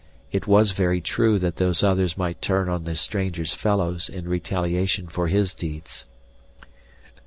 It was very true that Those Others might turn on the stranger's fellows in retaliation for his deeds.